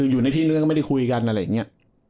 อยู่ในที่เรื่องก็ไม่ได้คุยกันอะไรอย่างนี้